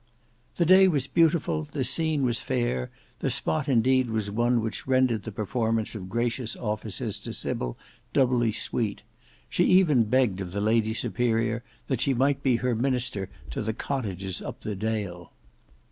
The day was beautiful, the scene was fair, the spot indeed was one which rendered the performance of gracious offices to Sybil doubly sweet. She ever begged of the Lady Superior that she might be her minister to the cottages up Dale.